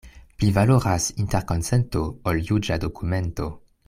Pli valoras interkonsento, ol juĝa dokumento.